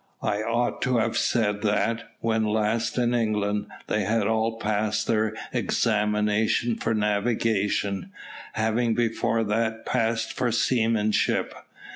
I ought to have said that, when last in England, they had all passed their examination for navigation, having before that passed for seamanship.